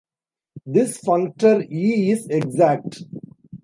This functor "E" is exact.